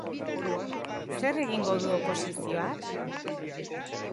Zer egingo du oposizioak?